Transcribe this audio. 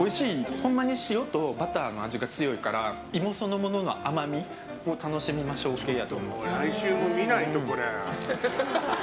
ほんまに塩とバターの味が違うから芋そのものの甘みを楽しみましょう系やと思う。